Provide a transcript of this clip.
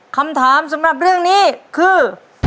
คำถามสำหรับเรื่องนี้คือ